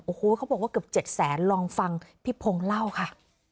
โอ้โหเขาบอกว่าเกือบ๗แสนลองฟังพี่พงศ์เล่าค่ะ